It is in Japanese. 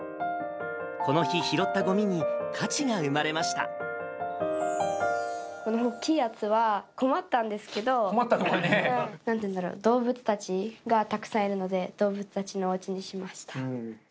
この日拾ったごみに価値が生まれこの大きいやつは、困ったん困ったね、これね。なんて言うんだろう、動物たちがたくさんいるので、動物たちのおうちにしました。